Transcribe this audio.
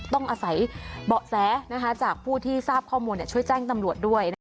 ต้องอาศัยเบาะแสจากผู้ที่ทราบข้อมูลช่วยแจ้งตำรวจด้วย